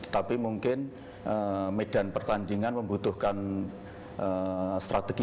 tapi mungkin medan pertandingan membutuhkan strategi